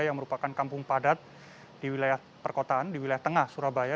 yang merupakan kampung padat di wilayah perkotaan di wilayah tengah surabaya